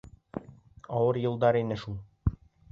Ауыр йылдар ине шул.